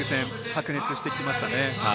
白熱してきましたね。